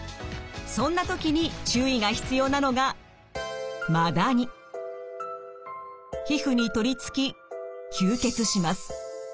そんな時に注意が必要なのが皮膚に取りつき吸血します。